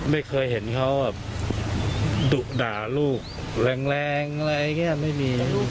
ไม่เคยเห็นเขาแบบดุด่าลูกแรงอะไรอย่างนี้ไม่มี